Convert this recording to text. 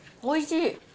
おいしい！